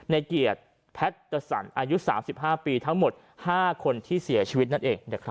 ในเกียจแผดดตรสรรค์อายุ๓๕ปีทั้งหมด๕คนที่เสียชีวิตนั่นเอง